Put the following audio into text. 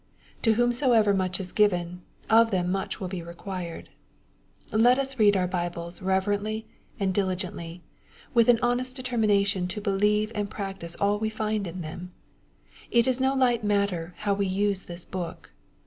To whomsoever much is given, of them much will be required. Let us read our Bibles reverently and diligently, with an honest determination to beheve and practise all we find in them. It is no light matter how we use this book.